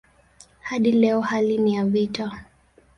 Hadi leo hali ni ya vita.